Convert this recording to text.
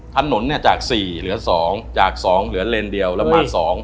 ถนนเนี่ยจาก๔เหลือ๒จาก๒เหลือเลนเดียวระเบิด๒